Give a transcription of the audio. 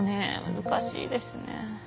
難しいですね。